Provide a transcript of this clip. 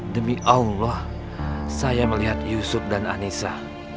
demi allah saya melihat yusuf dan anissa